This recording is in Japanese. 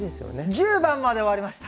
１０番まで終わりました。